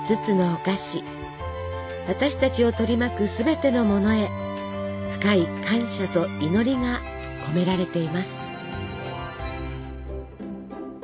私たちを取り巻くすべてのものへ深い感謝と祈りが込められています。